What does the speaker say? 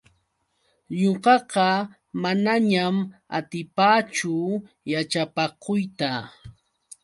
Ñuqaqa manañam atipaachu yaćhapakuyta.